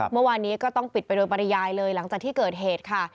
เมื่อวานนี้ก็ต้องปิดไปโดยปริยายเลยหลังจากที่เกิดเหตุค่ะ